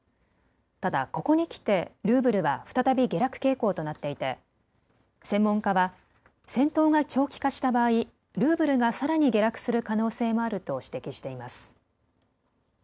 ただ、ここにきてルーブルは再び下落傾向となっていて専門家は戦闘が長期化した場合、ルーブルがさらに下落する可能性もあると指摘しています。